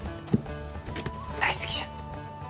大好きじゃ。